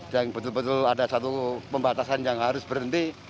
yang betul betul ada satu pembatasan yang harus berhenti